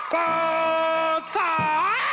เปิดสา